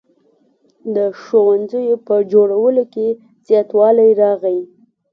د ښوونځیو په جوړولو کې زیاتوالی راغی.